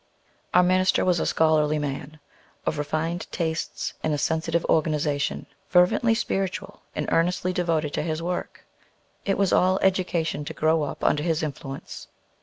Our minister was a scholarly man, of refined tastes and a sensitive organization, fervently spiritual, and earnestly devoted to his work. It was all education to grow up under his influence.